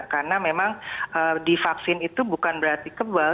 karena memang divaksin itu bukan berarti kebal